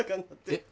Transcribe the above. えっ？